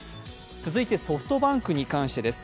続いて、ソフトバンクに関してです